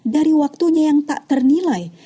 dari waktunya yang tak ternilai